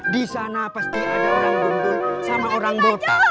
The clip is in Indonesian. disana pasti ada orang gendut sama orang botak